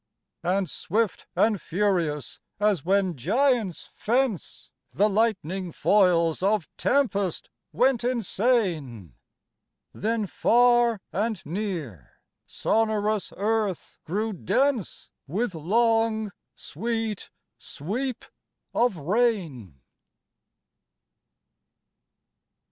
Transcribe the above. And swift and furious, as when giants fence, The lightning foils of tempest went insane; Then far and near sonorous Earth grew dense With long sweet sweep of rain.